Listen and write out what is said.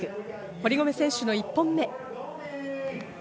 堀米選手の１本目。